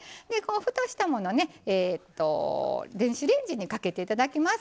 ふたしたものをね電子レンジにかけていただきます。